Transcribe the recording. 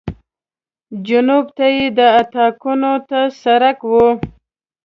جنوب ته یې د اطاقونو ته سړک و.